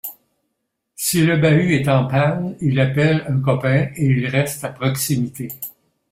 Si le bahut est en panne, il appelle un copain et il reste à proximité.